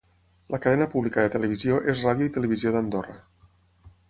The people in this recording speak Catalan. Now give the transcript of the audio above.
La cadena pública de televisió és Ràdio i Televisió d'Andorra.